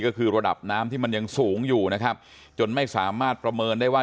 ก็คือระดับน้ำที่มันยังสูงอยู่นะครับจนไม่สามารถประเมินได้ว่า